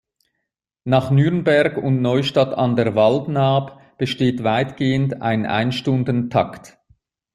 Nach Nürnberg und Neustadt an der Waldnaab besteht weitgehend ein Ein-Stunden-Takt.